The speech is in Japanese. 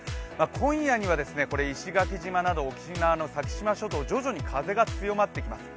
今夜には沖縄の先島諸島、徐々に風が強まってきます。